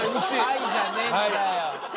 「はい」じゃねえんだよ！